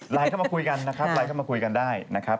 เข้ามาคุยกันนะครับไลน์เข้ามาคุยกันได้นะครับ